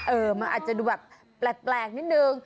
เออมันอาจจะดูแบบแปลกนิดนึง